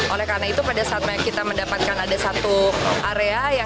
oleh karena itu pada saat kita mendapatkan ada satu area